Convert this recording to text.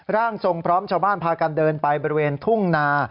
ร่างทรงพร้อมชาวบ้านพากันเดินไปบริเวณทุ่งนา